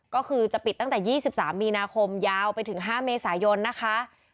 ก็คือจะปิดตั้งแต่๒๓มีนาคมยาวไปถึง๕เมษายนนะคะ